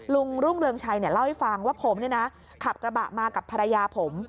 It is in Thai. รุ่งเรืองชัยเล่าให้ฟังว่าผมขับกระบะมากับภรรยาผม